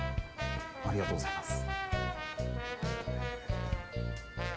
ありがとうございます。